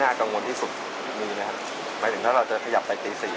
เราจะมีสักกี่เปอร์เซ็นที่เข้ามาเที่ยวมันก็จะเป็นสถานที่แบบนั้น